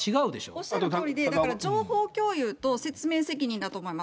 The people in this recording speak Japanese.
おっしゃるとおりで、だから情報共有と説明責任だと思います。